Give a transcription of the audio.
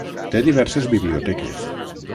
Té diverses biblioteques.